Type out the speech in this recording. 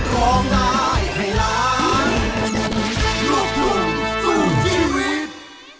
เพลงที่สองเพลงมาครับ